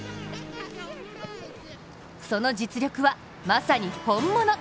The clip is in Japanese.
その実力は、まさに本物。